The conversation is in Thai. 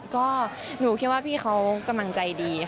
ก็หนูคิดว่าพี่เขากำลังใจดีค่ะ